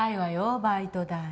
バイト代